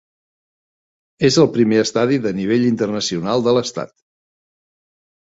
És el primer estadi de nivell internacional de l'estat.